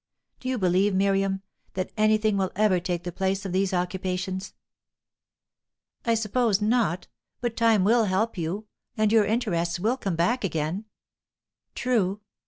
Do you believe, Miriam, that anything will ever take the place of these occupations?" "I suppose not. But time will help you, and your interests will come back again." "True.